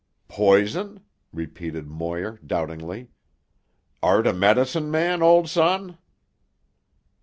"Poison?" repeated Moir doubtingly. "Art a medicine man, old son?"